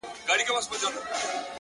بل څوک خو بې خوښ سوی نه وي ـ